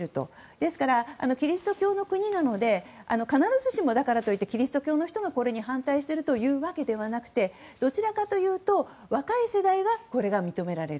ですからキリスト教の国なので必ずしもキリスト教の人がこれに反対しているわけではなくてどちらかというと若い世代はこれが認められる。